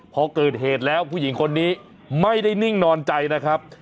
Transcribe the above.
พอเกิดเหตุแล้วผู้หญิงคนนี้ไม่ได้นิ่งนอนใจนะครับ